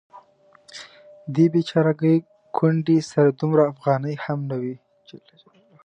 دې بیچارګۍ کونډې سره دومره افغانۍ هم نه وې.